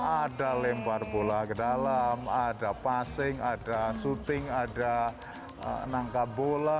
ada lempar bola ke dalam ada passing ada syuting ada nangka bola